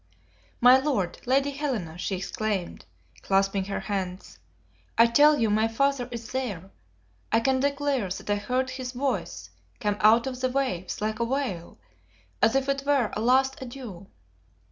"My Lord Lady Helena!" she exclaimed, clasping her hands, "I tell you my father is there! I can declare that I heard his voice come out of the waves like a wail, as if it were a last adieu."